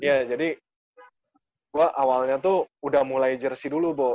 iya jadi gue awalnya tuh udah mulai jersey dulu bo